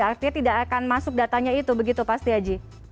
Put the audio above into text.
artinya tidak akan masuk datanya itu begitu pasti ya ji